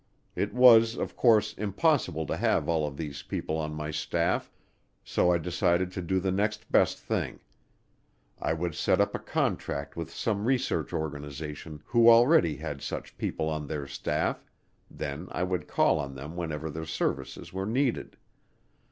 It was, of course, impossible to have all of these people on my staff, so I decided to do the next best thing. I would set up a contract with some research organization who already had such people on their staff; then I would call on them whenever their services were needed.